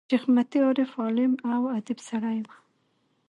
شېخ متي عارف، عالم او اديب سړی وو.